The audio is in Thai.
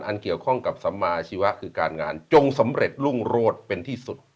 เกี่ยวข้องกับสมาชีวะคือการงานจงสำเร็จรุ่งโรดเป็นที่สุด